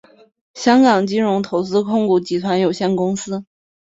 香港金融投资控股集团有限公司。